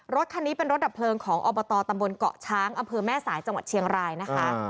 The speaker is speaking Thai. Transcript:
รถคันนี้เป็นรถดับเพลิงของอบตตำบลเกาะช้างอำเภอแม่สายจังหวัดเชียงรายนะคะ